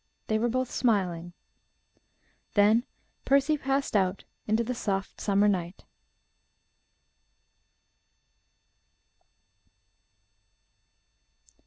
They were both smiling. Then Percy passed out into the soft, summer night.